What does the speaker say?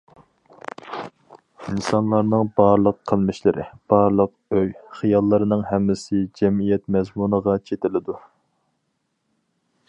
ئىنسانلارنىڭ بارلىق قىلمىشلىرى، بارلىق ئوي-خىياللىرىنىڭ ھەممىسى جەمئىيەت مەزمۇنىغا چېتىلىدۇ.